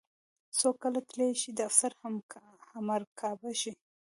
څوک کله تلی شي د افسر همرکابه شي.